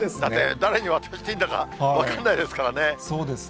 誰に渡していいんだか分からそうですね。